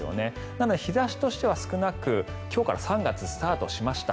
なので日差しとしては少なく今日から３月スタートしました。